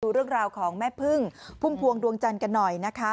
เรื่องราวของแม่พึ่งพุ่มพวงดวงจันทร์กันหน่อยนะคะ